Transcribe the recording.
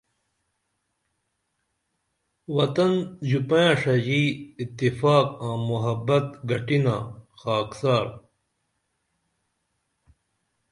وطن ژوپنیہ ݜڙی اتفاق آں محبت گٹینا خاکسار